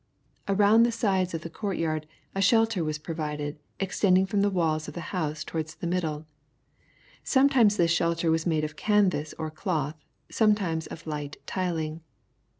Ai ound the sides of the court yard a shelter was provided, extending from the walls of the house towards the middle. Sometimes this shelter was made of canvass or cloth, sometimes of light tiling.